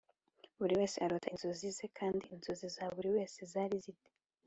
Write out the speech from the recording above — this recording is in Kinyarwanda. Buri wese arota inzozi ze kandi inzozi za buri wese zari zi te